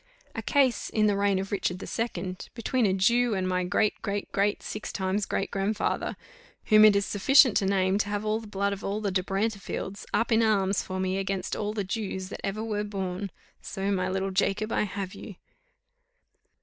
A case, in the reign of Richard the Second, between a Jew and my great, great, great, six times great grandfather, whom it is sufficient to name to have all the blood of all the De Brantefields up in arms for me against all the Jews that ever were born. So my little Jacob, I have you."